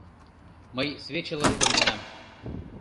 — Мый свечылым конденам.